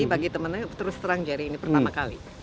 bagi temen temen terus terang jari ini pertama kali